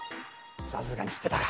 さすがに知ってたか。